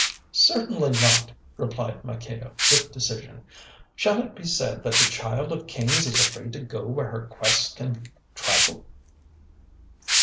"Certainly not," replied Maqueda with decision. "Shall it be said that the Child of Kings is afraid to go where her guests can travel?"